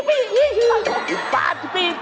เอาต่อเลย